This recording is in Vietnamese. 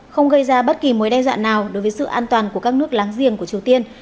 không gây ra bất kỳ mối đe dọa nào đối với sự an toàn của các nước láng giềng của triều tiên